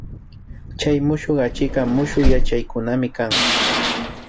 Chay mushuk achikka mushuk yachaykunami kan